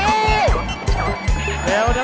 เร็วเร็วเร็วเร็ว